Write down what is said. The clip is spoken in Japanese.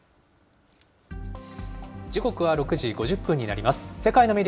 時刻は６時５０分になります。